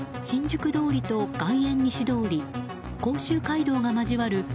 新宿通りと外苑西通り甲州街道が交わる